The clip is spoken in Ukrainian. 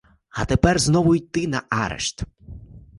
А тепер знову йти на арешт?